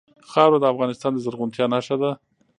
خاوره د افغانستان د زرغونتیا نښه ده.